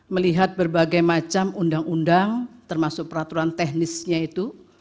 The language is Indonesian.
melihat berbagai macam undang undang termasuk peraturan teknisnya itu